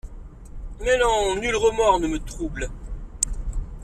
Mais non: nul remords ne me trouble.